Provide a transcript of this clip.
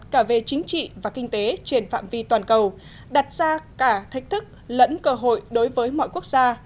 cả về chính trị và kinh tế trên phạm vi toàn cầu đặt ra cả thách thức lẫn cơ hội đối với mọi quốc gia